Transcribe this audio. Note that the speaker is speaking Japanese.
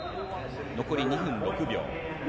残り２分６秒。